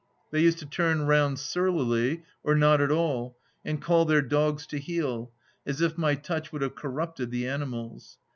They used to turn round surlily, or not at all, and call their dogs to heel, as if my touch would have corrupted the animals.